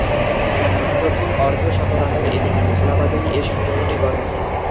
প্রথম অর্ধ-শতরানের ইনিংস খেলা বাদেই এ সংগ্রহটি গড়েন।